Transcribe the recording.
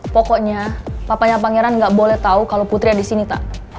pokoknya papanya pangeran gak boleh tau kalo putri ada disini tak